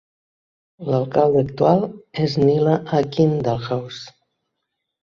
L'alcalde actual és Nyla Akin Dalhaus.